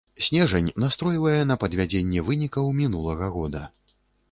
Снежань настройвае на падвядзенне вынікаў мінулага года.